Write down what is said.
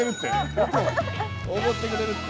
おごってくれるって。